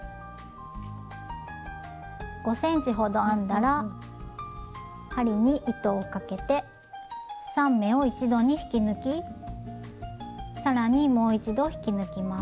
５ｃｍほど編んだら針に糸をかけて３目を一度に引き抜き更にもう一度引き抜きます。